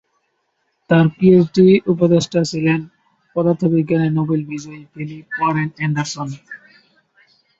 তার পিএইচডি উপদেষ্টা ছিলেন পদার্থবিজ্ঞানে নোবেল বিজয়ী ফিলিপ ওয়ারেন অ্যান্ডারসন।